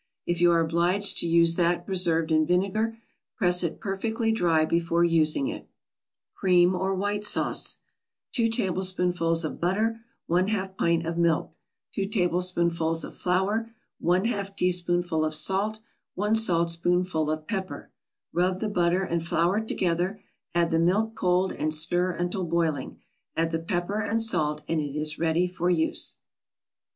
If you are obliged to use that preserved in vinegar, press it perfectly dry before using it. CREAM OR WHITE SAUCE 2 tablespoonfuls of butter 1/2 pint of milk 2 tablespoonfuls of flour 1/2 teaspoonful of salt 1 saltspoonful of pepper Rub the butter and flour together, add the milk cold and stir until boiling; add the pepper and salt and it is ready for use.